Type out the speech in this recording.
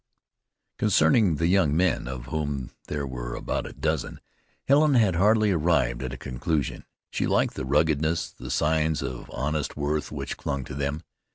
Concerning the young men, of whom there were about a dozen, Helen had hardly arrived at a conclusion. She liked the ruggedness, the signs of honest worth which clung to them.